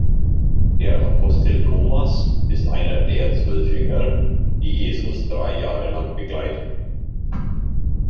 Der Apostel Thomas ist einer der zwölf Jünger, die Jesus drei Jahre lang begleiteten.